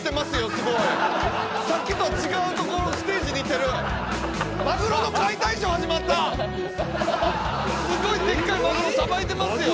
すごいさっきとは違うステージにいってるマグロの解体ショー始まったすごいデッカいマグロさばいてますよ